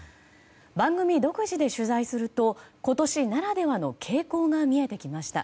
番組独自で取材すると今年ならではの傾向が見えてきました。